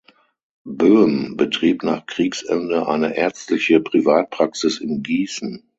Boehm betrieb nach Kriegsende eine ärztliche Privatpraxis in Gießen.